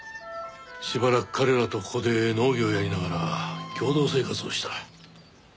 しばらく彼らとここで農業をやりながら共同生活をした。